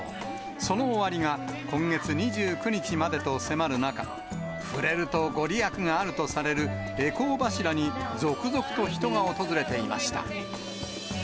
その終わりが今月２９日までと迫る中、触れると御利益があるとされる回向柱に続々と人が訪れていました。